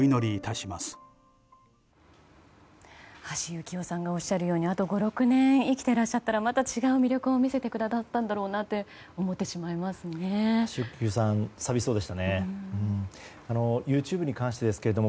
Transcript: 橋幸夫さんがおっしゃるようにあと５、６年生きてらっしゃったらまた違う魅力を見せてくれたんだろうなと思ってしまいますね。